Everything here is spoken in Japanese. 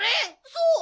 そう！